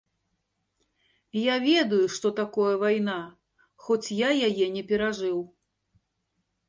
Я ведаю, што такое вайна, хоць я яе не перажыў.